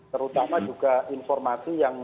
terutama juga informasi yang